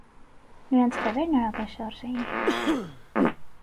Նրանց թևերն արագաշարժ էին։